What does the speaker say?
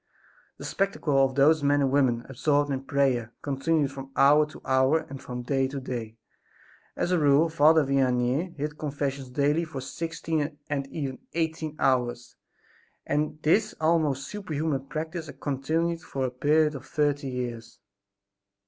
The spectacle of those men and women absorbed in prayer continued from hour to hour and from day to day. As a rule Father Vianney heard confessions daily for sixteen and even eighteen hours and this almost superhuman practice continued for a period of thirty years.